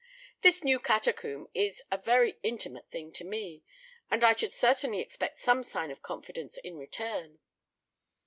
This new catacomb is a very intimate thing to me, and I should certainly expect some sign of confidence in return."